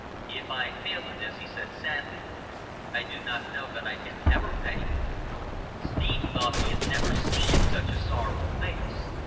"If I fail in this," he said sadly, "I do not know that I can ever pay you." Speed thought he had never seen such a sorrowful face.